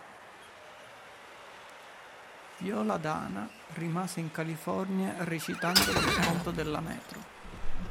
Viola Dana rimase in California, recitando per conto della Metro.